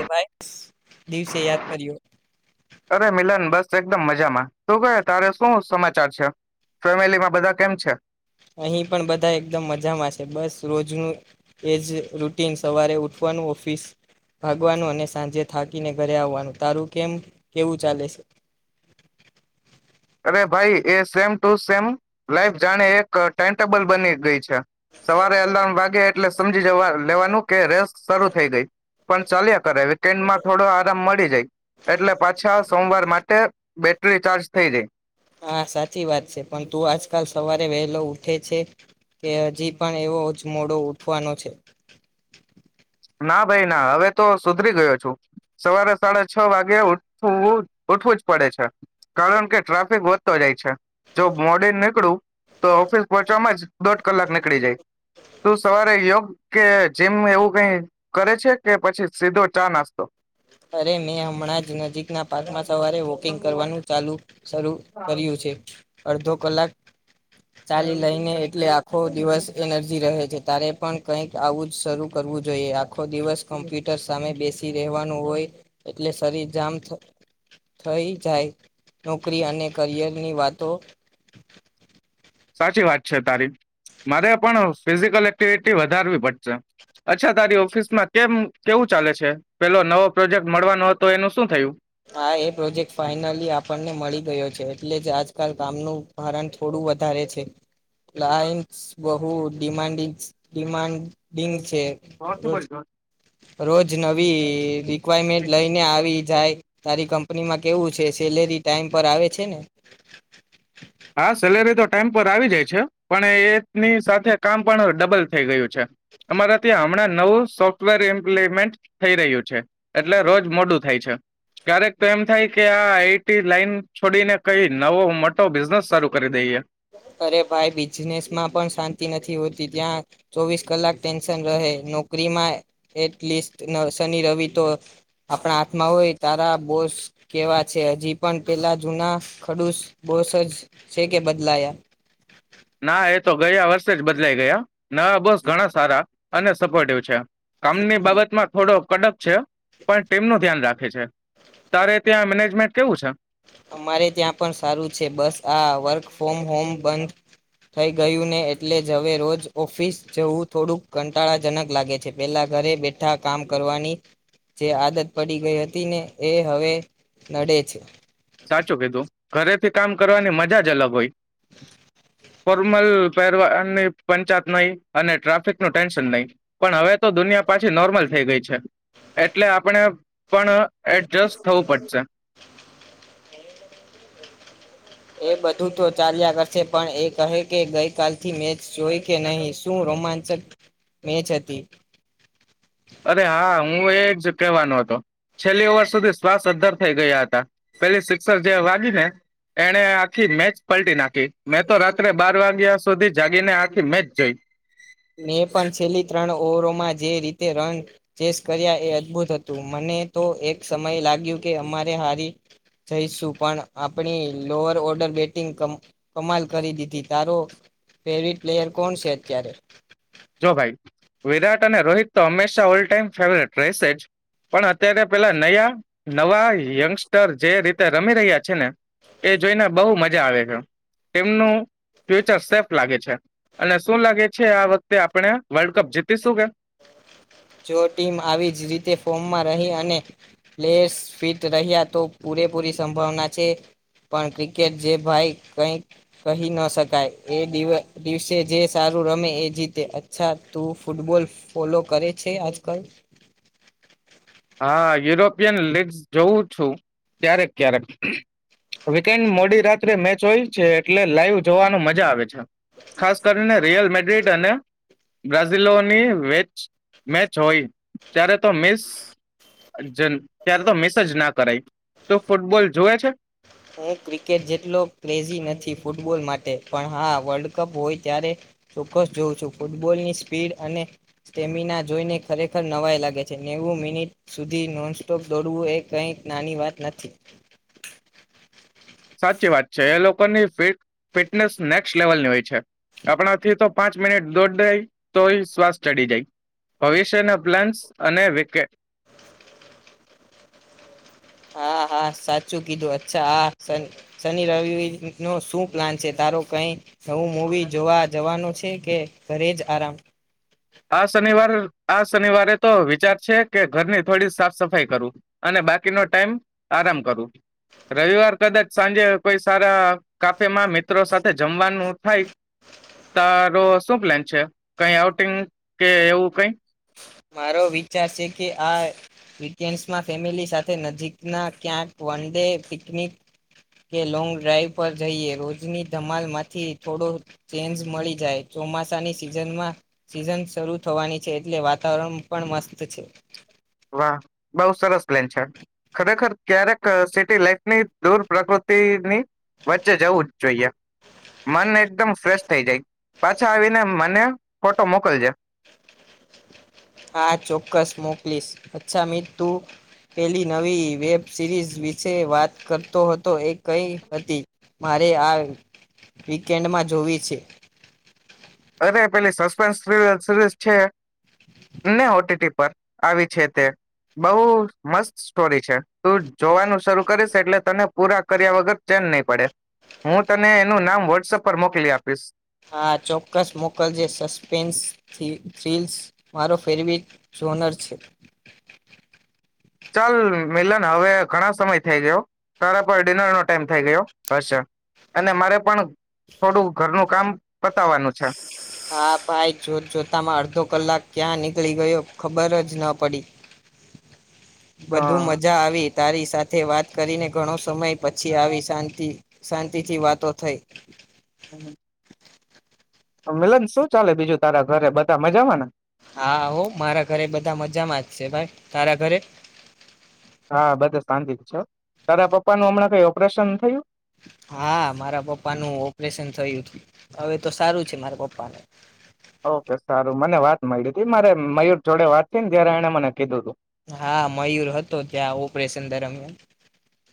એ ભાઈ દિવસે યાદ કર્યો. અરે મિલન બસ એકદમ મજામાં, તુ કહે તારે શું સમાચાર છે? ફેમિલીમાં બધા કેમ છે? અહીં પણ બધા એકદમ મજામાં છે, બસ રોજનું એજ રૂટીન સવારે ઉઠવાનું, ઓફિસ ભાગવાનું અને સાંજે થાકીને ઘરે આવવાનું, તારું કેમ કેવું ચાલે છે? અરે ભાઈ એ સેમ ટુ સેમ લાઈફ જાણે એક ટાઈમટેબલ બની ગઈ છે, સવારે એલારમ વાગે એટલે સમજી જવા લેવાનું કે રેસ શરૂ થઈ ગઈ, પણ ચાલ્યા કરે, વીકેન્ડમાં થોડો આરામ મળી રેય એટલે પાછા સોમવાર માટે બેટરી ચાર્જ થઈ રે. હા સાચી વાત છે, પણ તું આજકાલ સવારે વહેલો ઉઠે છે કે હજી પણ એવો જ મોડો ઉઠવાનો છે? ના ભાઈ ના, હવે તો સુધરી ગયો છું, સવારે સાડા છ વાગે ઉઠવુ ઉઠવું જ પડે છે, કારણ કે ટ્રાફિક વધતો જાય છે, જો મોડીન નીકળું તો ઓફિસ પહોચમાં જ દોઢ કલાક નીકળી જાય, તું સવારે યોગ કે જીમ એવું કંઈ કરે છે કે પછી સીધો ચા નાસ્તો? અરે મેં હમણાં જ નજીકના પાર્કમાં સવારે વોકિંગ કરવાનું ચાલુ શરૂ કર્યું છે. અર્ધો કલાક ચાલી લઈને એટલે આખો દિવસ એનર્જી રહે છે. તારે પણ કંઈક આવું જ શરૂ કરવું જોઈએ, આખો દિવસ કમ્પ્યુટર સામે બેસી રહેવાનું હોય એટલે શરીર જામ થ થઈ જાય, નોકરી અને કરિયરની વાતો સાચી વાત છે તારી. મારે પણ ફિઝિકલ એક્ટિવિટી વધારવી પડશે, અચ્છા તારી ઓફિસમાં કેમ કેવું ચાલે છે? પેલો નવો પ્રોજેક્ટ મળવાનો હતો, એનું શું થયું? હા, એ પ્રોજેક્ટ ફાઈનલી આપણને મળી ગયો છે એટલે જ આજકાલ કામનું ભારણ થોડું વધારે છે, ક્લાયન્ટસ બહુ ડિમાન્ડીંગ્સ ડિમાન્ડીગ છે. રોજ નવી રિક્વાયરમેન્ટ લઈને આવી જાય. તારી કંપની માં કેવું છે સેલેરી ટાઈમ પર આવે છે? છે ને હા સેલેરી તો ટાઈમ પર આવી જાય છે પણ એની સાથે કામ પણ ડબલ થઈ ગયું. છે. અમારા ત્યાં હમણાં નવું સોફ્ટવેર ઇમ્પ્લમેન્ટ થઈ રહ્યું છે એટલે રોજ મોડું થાય છે. ક્યારેક તો એમ થાય કે આ આઈ ટી લાઈન છોડીને કઈ નવો મોટો બિઝનસ સારું કરી દઈએ. અરે ભાઈ બિઝનસમાં પણ શાંતિ નથી હોતી ત્યાં ચોવીસ કલાક ટેન્શન રહે. નોકરીમાં એટલીસ્ટ શનિ, રવિ તો આપણા હાથમાં હોય. તારા બોસ કેવા છે હજી પણ પેલા જૂના ખડુસ બોસ જ છે કે બદ લાયા ના એ તો ગયા વર્ષે જ બદલાઈ ગયા નવા બોસ ઘણા સારા અને સપોર્ટિવ છે. કામ ની બાબત માં થોડોક કડક છે. પણ તેમનું ધ્યાન રાખ રાખે છે. તારે ત્યાં મેનેજમેન્ટ કેવું છે? અમારે ત્યાં પણ સારું છે. બસ આ વર્ક ફ્રોમ હોમ બંધ થઈ ગયું ને એટલે જ હવે રોજ ઓફિસ જવું થોડુંક કંટાળાજનક લાગે છે. પહેલા ઘરે બેઠા કામ કરવાની જે આદત પડી ગઈ હતી ને એ હવે નડે છે. સાચુ કીધું. ઘરેથી કામ કરવાની મજા જ અલગ હોય. ફોર્મલ પહેરવાની પંચાત નહી અને ટ્રાફિક નું ટેન્શન નહી પણ હવે તો દુનિયા પાછી નોર્મલ થઈ ગઈ છે એટલે આપણે પણ એડજસ્ટ થવું પડશે. એ બધું તો ચાલ્યા કરશે પણ એ કહે કે ગઈકાલથી મેચ જોય કે નહી? શું રોમાંચક મેચ હતી. અરે હા હું એ જ કહેવાનો હતો. છેલ્લી ઓવર સુધી શ્વાસ અદ્ધર થઈ ગયા હતા. પેલી સિક્સર જે વાગી ને એને આખી મેચ પલટી નાખી. મેં તો રાત્રે બાર વાગ્યા સુધી જાગીને આખી મેચ જોઈ. મે પણ છેલ્લી ત્રણ ઓવરોમાં જે રીતે રન ચેસ કર્યા એ અદભુત હતું. મને તો એક સમય લાગ્યું કે અમારે હારી જઈશું પણ આપણી લોઅર ઓર્ડર બેટિંગ કમ કમાલ કરી દીધી. તારો ફેવરિટ પ્લેયર કોણ છે અત્યારે? જો ભાઈ વિરાટ અને રોહિત તો હંમેશા ઓલ ટાઈમ ફેવરેટ રહેશે જ પણ અત્યારે પેલા નયા નવા યંગસ્ટર જે રીતે રમી રહ્યા છે ને એ જોઈને બહુ મજા આવે છે. તેમનું ફ્યુચર સેફ લાગે છે અને શું લાગે છે આ વખ વખતે આપણે વર્લ્ડ કપ જીતીશું કે જો ટીમ આવી જ રીતે ફોર્મમાં રહી અને પ્લેયર્સ ફિટ રહ્યા તો પૂરેપૂરી સંભાવના છે પણ ક્રિકેટ જે ભાઈ કઈ કહી ન શકાય. એ દિવસે જે સારું રમે એ જીતે અચ્છા તું ફૂટબોલ ફોલો કરે. છે આજ કલ હા યુરોપિયન લીગસ જોઉ છું. ક્યારેક ક્યારેક વીકેન્ડ મોડી રાત્રે મેચ હોય છે એટલે લાઈવ જોવાનું મજા આવે છે. ખાસ કરીને રિયલ મેડ્રિડ અને બ્રાઝિલોની વેચ મેચ હોય ત્યારે તો મિસ ત્યારે તો મિસ જ ના કરાય, તું ફૂટબોલ જોવે છે. હું ક્રિકેટ જેટલો ક્રેઝી નથી ફૂટબોલ માટે પણ હા વર્લ્ડ કપ હોય ત્યારે ચોક્કસ જોઉં છું ફૂટબોલની સ્પીડ અને સ્ટેમિના જોઈને ખરેખર નવાઈ લાગે છે. નેવું મિનિટ સુધી નોનસ્ટોપ દોડવું એ કંઈક નાની વાત નથી. સાચી વાત છે. એ લોકોની ફિટ ફિટનેસ નેક્સ લેવલની હોય છે. આપણાથી તો પાંચ મિનિટ દોડાય તો યે શ્વાસ ચડી જાય ભવિષ્યના પ્લાન્સ અને વિકેટ હા હા સાચું કીધું અ. ચહા શ શનિ રવિ નો શું પ્લાન છે તારો કઈ નવું મૂવી જોવા જવાનું છે. કે ઘરે જ આરામ. આ શનિવાર આ શનિવારે તો વિચાર છે કે ઘરની થોડી સાફ સફાઈ કરું અને બાકીનો ટાઈમ આરામ કરું રવિવાર કદાચ સાંજે કોઈ સારા કાફેમાં મિત્રો સાથે જમવાનું થાય તારો શું પ્લાન છે? કઈ આઉટિંગ કે એવું કઈ મારો વિચાર છે કે આ વીકેન્ડ્સમાં ફેમિલી સાથે નજીકના ક્યાંક વન ડે પિકનિક કે લોંગ ડ્રાઈવ પર જઈએ. રોજની ધમાલમાંથી થોડો ચેન્જ મળી જાય. ચોમાસાની સીઝનમાં સીઝન શરૂ થવાની છે એટલે વાત તાવરણ પણ મસ્ત છે. વાહ, બઉ સરસ પ્લેન છે. ખરેખર ક્યારેક સિટી લાઈફની દૂર પ્રકૃતિની વચ્ચે જવું જ જોઈએ. મન એકદમ ફ્રેશ થઈ જાય, પાછા આવીને મને ફોટો મોકલજે. હા, ચોક્કસ મોકલીશ. અચ્છા મિત તું પેલી નવી વેબ સિરીઝ વિશે વાત કરતો હતો, એ કઈ હતી? મારે આ વીકેન્ડમાં જોવી છે. અરે પેલી સસ્પેન્સ સિરીયલ સિરીઝ છે. ને ઓટીટી પર. આવી છે તે, બહુ મસ્ત સ્ટોરી છે. તું જોવાનું શરૂ કરીશ એટલે તને પૂરા કર્યા વગર ચેન નહીં પડે. હું તને એનું નામ વોટ્સઅપ પર મોકલી આપીશ. હા, ચોક્કસ મોકલજે. સસ્પેન્સ થ્રી થ્રીલ્સ મારો ફેવરિટ જોનર છે. ચાલ મિ મિલન, હવે ઘણા સમય થઈ ગયો. તારા પર ડિનર નો ટાઈમ થઈ ગયો હશે, અને મારે પણ થોડું ઘરનું કામ પતાવવાનું છે. હા ભાઈ. જોત જોતામાં અડધો કલાક ક્યાં નીકળી ગયો ખબર જ ન પડી. બધું હા મજા આવી. તારી સાથે વાત કરીને ઘણો સમય પછી આવી શાંતિ શાંતિથી વાતો થઈ. હમ્મ. મિલન શું ચાલે બીજું તારા ઘરે બધા મજામાં ને? હા હો. મારા ઘરે બધા મજામાં જ છે ભાઈ. તારા ઘરે? હા બધું શાંતિ જ છે હો. તારા પપ્પા નું હમણાં કઈ ઓપરેશન થયું? હા મારા પપ્પાનું ઓપરેશન થયું તું. હવે તો સારું છે મારા પપ્પાને. ઓકે સારું મને વાત મળી હતી મારે મયુર જોડે વાત થઈ ને ત્યારે એને મને કીધું તું. હા, મયુર હતો ત્યાં ઓપરેશન દરમિયાન.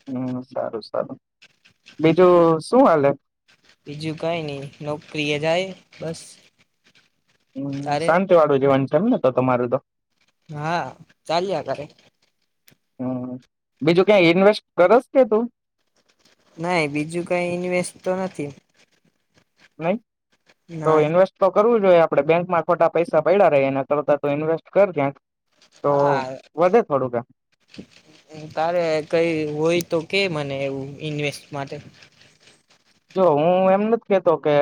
હમ સારું સારું, બીજું શું હવે? બીજું કઈ નહી નોકરી એ જાય બસ. હ તારે શાંતિ વાળું જીવન છે. કેમને તો તમારું તો. હા ચાલ્યા કરે. હમ, બીજું કઈ ઇન્વેસ્ટ કરસ કે તું? નય બીજું કઈ ઇન્વેસ્ટ તો નથી. નય? તો નઈ ઇન્વેસ્ટ તો કરવું જોઈએ આપડે બેંકમાં ખોટા પૈસા પડ્યા રે એના કરતા તો ઈન્વેસ્ટ કરજે. હા, તારે કઈ હોય તો કે. મને એવું ઇન્વેસ્ટ માટે. જો હું એમ નથી કેતો કે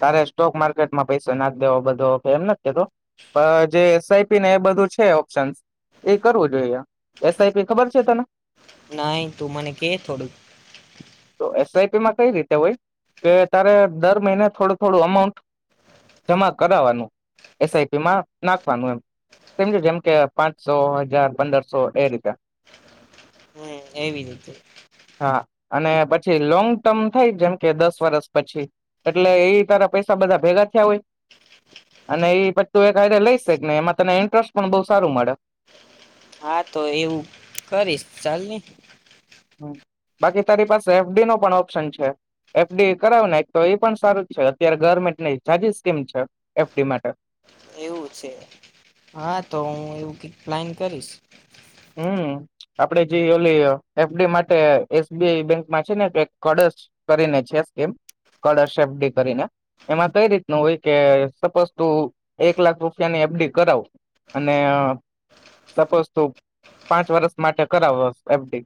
તારે સ્ટોક માર્કેટમાં પૈસા નાખ દેવો બધો કે એમ નથી. [unintelligible] જે એસઆઈ ને એ બધું છે, ઓપ્શન એ કરવું જોઈએ એસઆઈપી ખબર છે, તને? નય તું મને કે થોડું. એસઆઈપી માં કઈ રીતે [unintelligible] કે તારે દર મહિને થોડું થોડું અમાઉન્ટ જમા કરાવનું એસઆઈપીમાં નાખવાનું એમજ જેમ કે પાંચસો હજાર પંદરસો એ રીતે હમ એવી રીતે હા અને પછી લોંગ ટર્મ થાય જેમ કે દસ વરષ પછી એટલે એ તારા પૈસા બધા ભેગા થયા હોય અને એ [unintelligible] તું એાય લઈ શને એમાં તને ઇન્ટરેસ્ટ પણ બઉ સારું મળે. હા તો એવું કરીશ ચાલ ને [unintelligible] બાકી તારી પાસે એફડી નો પણ ઓપ્શન છે, એફડી કરાવ ને તો એ પણ સારું છે, અત્યારે ગવર્મેન્ટની જાઝ સ્કીમ છે, એફડી માટે એવું છે હા તો હું એવું [unintelligible] પ્લાન કરીશ. હમ આપડે જે [unintelligible] એફડી માટે એસબીઆઈ બેંકમાં છે, ને કે કળશ કરીને છે સ્કીમ કળશ એફડી કરીને એમાં કઈ રીતનું હોય કે સપોઝ તું એક લાખ રૂપિયાની એફડી કરાવ અને સપોઝ તું પાંચ વર્ષ માટે કરાવો એફડી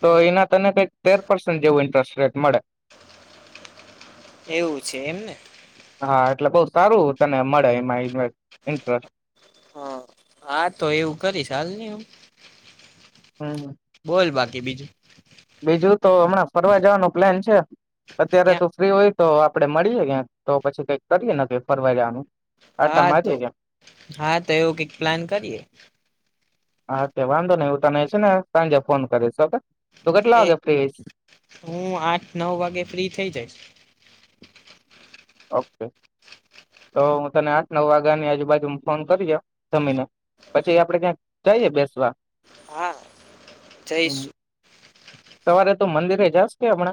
તો એના તને કઈક તેર પર્સન્ટ જેવું ઇન્ટરેસ્ટ રેટ મળે. એવું છે, એમને હા એટલે બહ સારું તને મળે એમાં ઇન્ટરેસ્ટ હા હા તો એવું કરી [unintelligible] ને [unintelligible] હા હા બોલ બાકી બીજું બીજું તો હમણાં ફરવા જવાનું પ્લાન છે, અત્યારે ક્યાં તું ફ્રી હોય તો આપડે મળીએ તો પછી કઈક કરીએ [unintelligible] ફરવા જવાનું આટા હા તો મારીએ કે હા તો એવું કઈક પ્લાન કરીએ. હા તે વાંધો નને એવું તને છે, ને સાંજે ફોન કરીશ ઓકે તું કેટલા એ વાગે ફ્રી હું આઠ નવ વાગે ફ્રી થઈ જઈશ. ઓકે તો હું તને આઠ નવ વાગ્યાની આજુબાજુ ફોન કરી જમીને પછી આપડે ક્યાંક જઈય બેસવા [inaudible] સવારે તું મંદિરે જશ કે [unintelligible]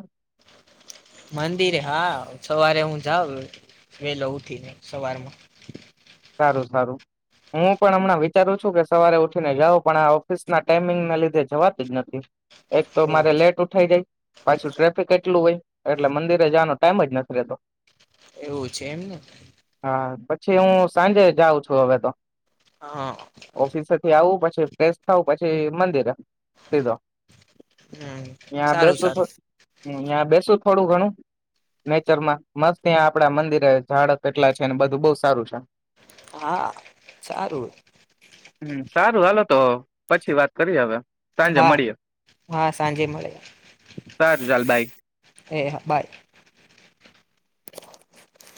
મંદિરે હા સવારે હું જાઉં વેલો ઉઠીને સવારમાં. સારું સારું હું પણ હમણાં વિચારું છું કે સવારે ઉઠીને જાાવ પણ આ ઓફિસ ના ટાઈમિંગ ના લીધે જવાતી જ નથી. એક તો મારે એવું લેટ ઉઠાઈ જાય. પાછું ટ્રાફિક એટલું હોય એટલે મંદિરે જવાનો ટાઈમ જ નથી રહેતો એવું છે, એમને [inaudible] સાંજે જાઉં છું, હવે તો હા ઓફિસ આવું પછી ફેશ થઉું પછી મંદિર સીધો હમ [unintelligible] સારું બેસું સારું [unintelligible] બેસું થોડું ઘણું નેચરમાં મસ્ત ત્યાં આપડા મંદિરે ઝાડ કેટલા છે, બધું બઉુ સારું છે. હા સારું હમ સારું હાલો તો પછી વાત કરી હવે સાંજે હા મળીએ હા સાંજે મળે સારું ચાલ બાય. [unintelligible] બાય